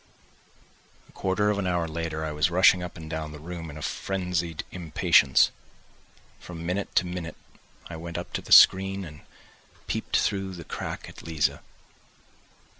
X A quarter of an hour later I was rushing up and down the room in frenzied impatience, from minute to minute I went up to the screen and peeped through the crack at Liza.